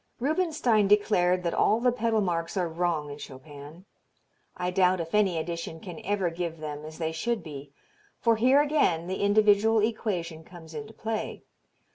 Rubinstein declared that all the pedal marks are wrong in Chopin. I doubt if any edition can ever give them as they should be, for here again the individual equation comes into play.